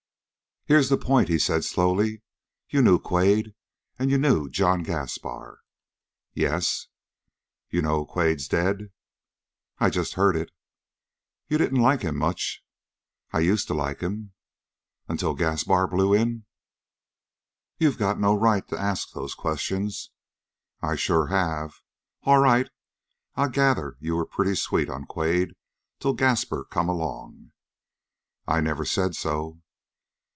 "Here's the point," he said slowly. "You knew Quade, and you knew John Gaspar." "Yes." "You know Quade's dead?" "I've just heard it." "You didn't like him much?" "I used to like him." "Until Gaspar blew in?" "You've got no right to ask those questions." "I sure have. All right, I gather you were pretty sweet on Quade till Gaspar come along." "I never said so!"